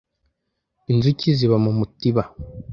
Inzuki ziba mu mutiba